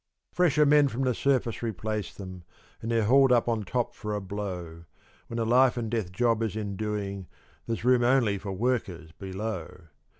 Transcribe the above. Fresher men from the surface replace them, and they're hauled up on top for a blow; When a life and death job is in doing there's room only for workers below.